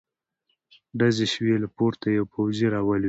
ډزې شوې، له پورته يو پوځې را ولوېد.